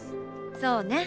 そうね。